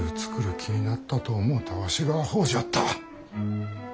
気になったと思うたわしがあほうじゃった！